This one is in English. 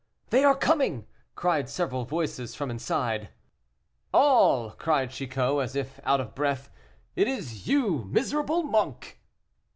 "They are coming," cried several voices from inside. "All!" cried Chicot, as if out of breath, "it is you, miserable monk!"